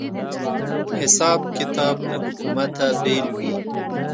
حساب کتاب له حکومته بېل وي